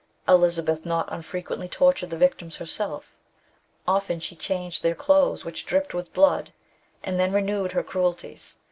Elizabeth not unfrequently tortured the victims herself; often she changed their clothes which dripped with blood, and then renewed her cruelties.